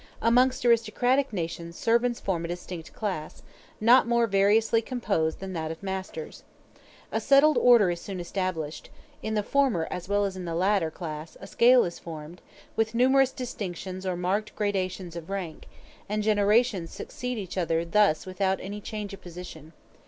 Amongst aristocratic nations servants form a distinct class, not more variously composed than that of masters. A settled order is soon established; in the former as well as in the latter class a scale is formed, with numerous distinctions or marked gradations of rank, and generations succeed each other thus without any change of position.